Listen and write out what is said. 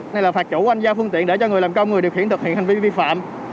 nên là phạt chủ anh giao phương tiện để cho người làm công người điều khiển thực hiện hành vi vi phạm